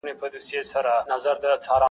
• بې ګناه د انتقام په اور کي سوځي -